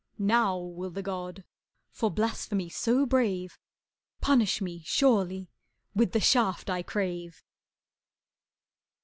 (Now will the god, for blasphemy so brave, Punish me, surely, with the shaft I crave!)